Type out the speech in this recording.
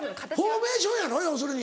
フォーメーションやろ要するに。